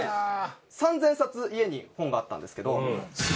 ３０００冊家に本があったんですけど。